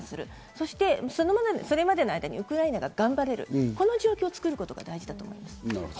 そしてそれまでにウクライナが頑張れる、その状況を作ることが大事だと思います。